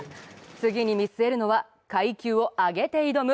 次に見据えるのは階級を上げて挑む